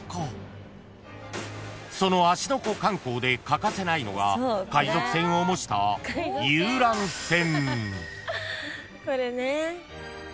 ［その芦ノ湖観光で欠かせないのが海賊船を模した遊覧船］